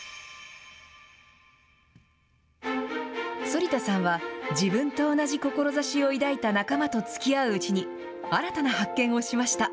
反田さんは、自分と同じ志を抱いた仲間とつきあううちに、新たな発見をしました。